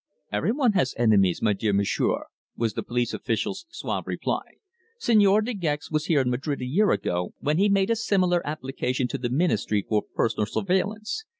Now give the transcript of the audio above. "Everyone has enemies, my dear m'sieur," was the police official's suave reply. "Señor De Gex was here in Madrid a year ago when he made a similar application to the Ministry for personal surveillance.